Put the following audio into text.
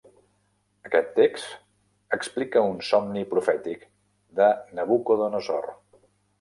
Aquest text explica un somni profètic de Nabucodonosor.